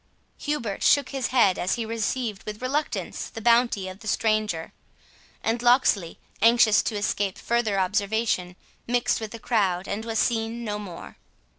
Hubert shook his head as he received with reluctance the bounty of the stranger, and Locksley, anxious to escape further observation, mixed with the crowd, and was seen no more.